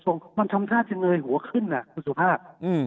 จมชาชงยหัวขึ้นอ่ะสภาพ